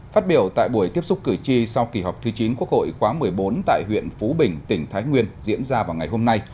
phát biểu tại buổi tiếp xúc cử tri sau kỳ họp thứ chín quốc hội khóa một mươi bốn tại huyện phú bình tỉnh thái nguyên diễn ra vào ngày hôm nay